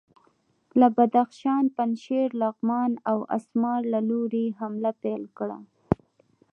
له بدخشان، پنجشیر، لغمان او اسمار له لوري یې حمله پیل کړه.